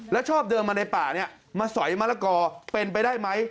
และชอบเดินมาในป่ามาสอยมรกอเป็นไปได้ไหม